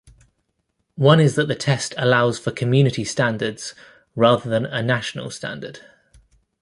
One is that the test allows for community standards rather than a national standard.